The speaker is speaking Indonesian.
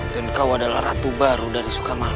dan kau adalah ratu baru dari sukamona